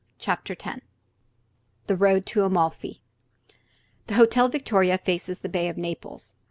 CHAPTER X THE ROAD TO AMALFI The Hotel Victoria faces the bay of Naples.